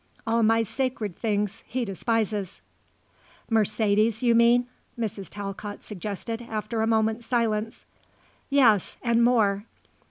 All my sacred things he despises." "Mercedes, you mean?" Mrs. Talcott suggested after a moment's silence. "Yes. And more."